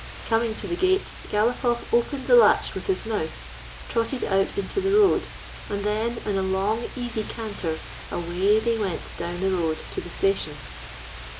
Coming to the gate, Galopoff opened the latch with his mouth, trotted out into the road, and then, in a long, easy canter, away they went down the road to the station.